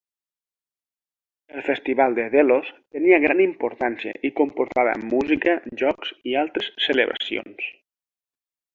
El festival de Delos tenia gran importància i comportava música, jocs i altres celebracions.